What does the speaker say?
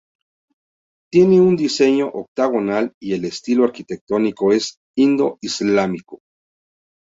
Tiene un diseño octogonal y el estilo arquitectónico es indo-islámico.